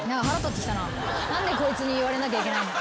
何でこいつに言われなきゃいけないの。